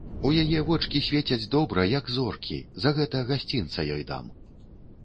У яе вочкі свецяць добра, як зоркі, за гэта гасцінца ёй дам.